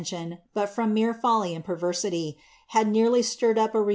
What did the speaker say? tion, bul from mere folly and perversity, had nearly stirred up a rtc*!